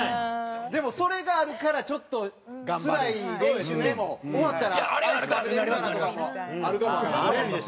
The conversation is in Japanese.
でもそれがあるからちょっとつらい練習でも終わったらアイス食べられるからとかもあるかもわからんね。